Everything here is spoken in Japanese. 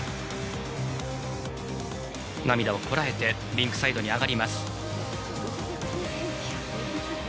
涙をこらえてリンクサイドに上がります。